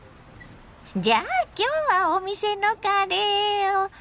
じゃあきょうはお店のカレーを。